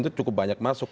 itu cukup banyak masuk